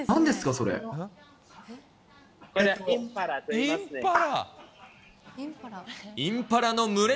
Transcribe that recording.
それ。